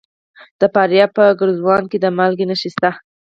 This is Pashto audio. د فاریاب په ګرزوان کې د مالګې نښې شته.